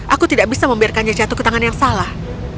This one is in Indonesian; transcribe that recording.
aku tidak bisa membiarkannya jatuh ke tangan yang salah